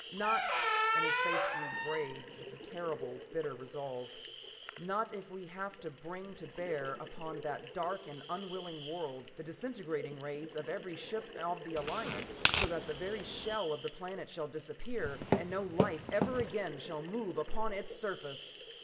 Not" and his face grew gray with a terrible and bitter resolve "not if we have to bring to bear upon that dark and unwilling world the disintegrating rays of every ship of the Alliance, so that the very shell of the planet shall disappear, and no life ever again shall move upon its surface.